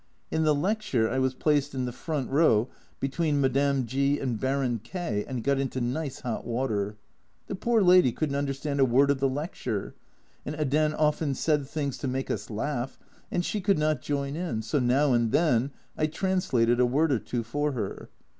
In the lecture I was placed in the front row, between Madame G and Baron K , and got into nice hot water ! The poor lady couldn't understand a word of the lecture, and Hedin often said things to make us laugh, and she could not join in, so now and then I translated a word or two for her.